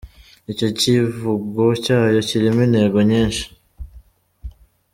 Icyo cyivugo cyayo kirimo intego nyinshi.